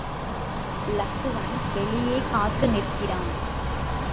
இலக்குவன் வெளியே காத்து நிற்கிறான்.